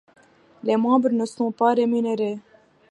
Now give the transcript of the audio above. Les membres ne sont pas rémunérés.